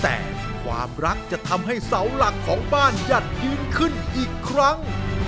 แต่ความรักจะทำให้เสาหลักของบ้านยัดยืนขึ้นอีกครั้ง